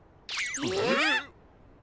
えっ！？